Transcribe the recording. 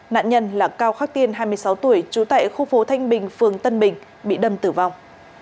nạn nhân là cao khắc tiên hai mươi sáu tuổi trú tại khu phố thanh bình phường tân bình bị đâm tử vong